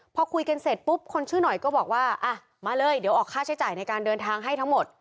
พอคุยกันเสร็จปุ๊บคนชื่อหน่อยก็บอกว่าอ่ะมาเลยเดี๋ยวออกค่าใช้จ่ายในการเดินทางให้ทั้งหมด